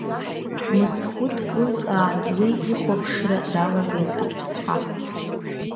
Мыцхәы дкылкаан уи ихәаԥшра далагеит аԥсҳа.